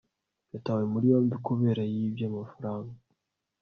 yatawe muri yombi kubera ko yibye amafaranga